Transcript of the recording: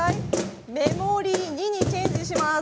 メモリー２にチェンジします。